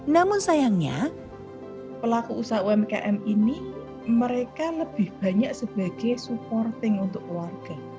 namun sayangnya pelaku usaha umkm ini mereka lebih banyak sebagai supporting untuk keluarga